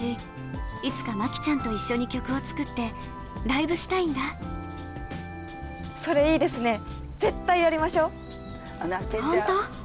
いつか摩季ちゃんと一緒に曲を作ってライブしたいんだそれいいですね絶対やりましょうホント？